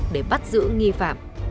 để bắt giữ nghi phạm